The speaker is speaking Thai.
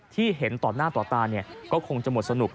ที่เห็นต่อหน้าต่อตาก็คงจะหมดสนุก